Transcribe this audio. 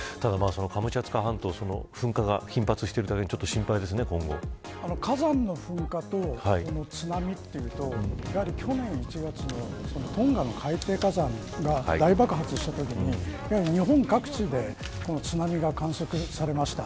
カムチャツカ半島噴火が火山の噴火と津波というと去年１月のトンガの海底火山が大爆発したときに日本各地で津波が観測されました。